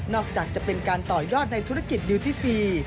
อกจากจะเป็นการต่อยอดในธุรกิจดิวทิฟี